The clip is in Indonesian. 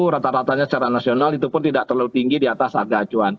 rata ratanya secara nasional itu pun tidak terlalu tinggi di atas harga acuan